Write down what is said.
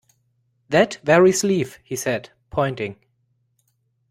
"That very sleeve," he said, pointing.